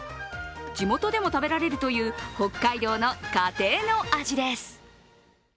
地元でも食べられるという北海道の家庭の味です。